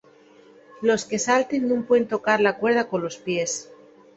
Los que salten nun puen tocar la cuerda colos pies.